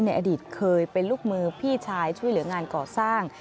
อดีตเคยเป็นลูกมือพี่ชายช่วยเหลืองานก่อสร้าง